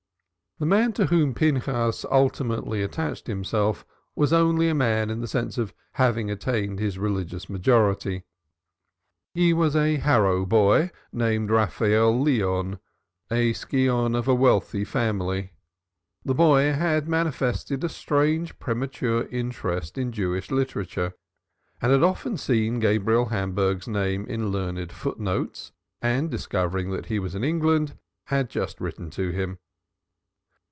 The man to whom Pinchas ultimately attached himself was only a man in the sense of having attained his religious majority. He was a Harrow boy named Raphael Leon, a scion of a wealthy family. The boy had manifested a strange premature interest in Jewish literature and had often seen Gabriel Hamburg's name in learned foot notes, and, discovering that he was in England, had just written to him.